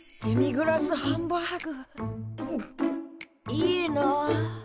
いいな。